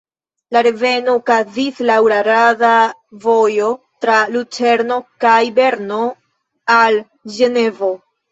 La reveno okazis laŭ la rada vojo tra Lucerno kaj Berno al Ĝenevo.